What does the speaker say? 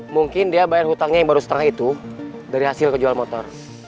mungkin dia bayar hutangnya yang baru setengah itu dari hasil kejual motor